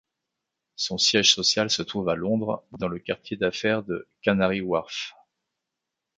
Son siège social se trouve à Londres, dans le quartier d'affaires de Canary Wharf.